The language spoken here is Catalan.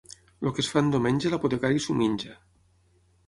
El que es fa en diumenge, l'apotecari s'ho menja.